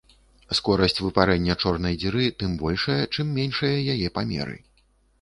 Скорасць выпарэння чорнай дзіры тым большая, чым меншыя яе памеры.